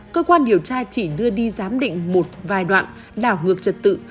cơ quan điều tra chỉ đưa đi giám định một vài đoạn đảo ngược trật tự